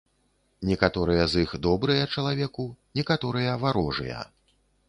Некаторыя з іх добрыя чалавеку, некаторыя варожыя.